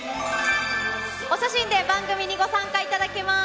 お写真で番組にご参加いただけます。